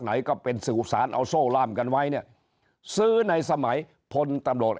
ไหนก็เป็นสื่อสารเอาโซ่ล่ามกันไว้เนี่ยซื้อในสมัยพลตำรวจ